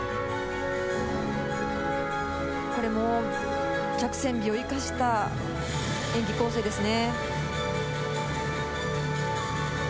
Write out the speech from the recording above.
これも脚線美を生かした演技構成ですね。